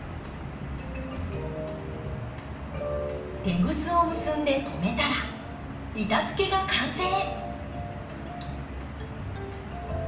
テグスを結んで留めたら板づけが完成。